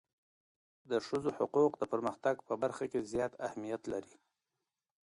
د ښځو حقوق د پرمختګ په برخه کي زیات اهمیت لري.